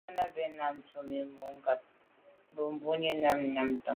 Â Náná bɛ̂n náɁ tɔ́ Númí mû ŋgáp á gə́ Númí bɛ̂n náɁ tɔ́n–í.